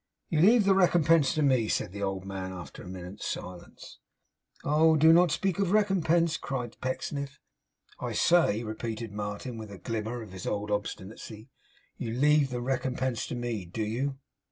'You leave the recompense to me?' said the old man, after a minute's silence. 'Oh! do not speak of recompense!' cried Pecksniff. 'I say,' repeated Martin, with a glimmer of his old obstinacy, 'you leave the recompense to me. Do you?